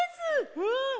うん！